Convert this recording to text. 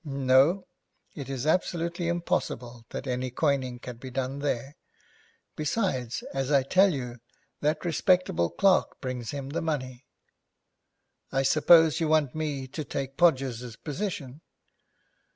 'No. It is absolutely impossible that any coining can be done there. Besides, as I tell you, that respectable clerk brings him the money.' 'I suppose you want me to take Podgers' position?'